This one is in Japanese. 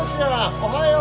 おはよう。